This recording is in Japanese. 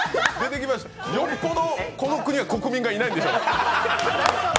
よっぽどこの国は、国民がいないんでしょう。